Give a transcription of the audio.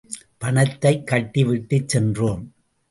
பணத்தைக் கட்டி விட்டுச் சென்றோம்.